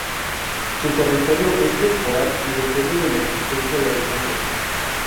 Su territorio es temporal y depende de la existencia de alimentos.